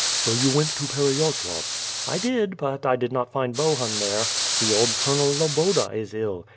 So you went to Pereyaslav?" "I did, but I did not find. Bohun there. The old Colonel Loboda is ill.